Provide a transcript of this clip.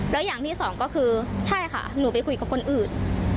แล้วอย่างที่สองก็คือใช่ค่ะหนูไปคุยกับคนอื่น